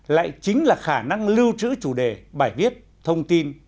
lại chính là khả năng lưu trữ chủ đề bài viết thông tin